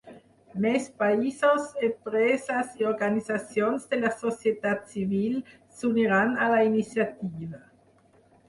Més països, empreses i organitzacions de la societat civil s'uniren a la iniciativa.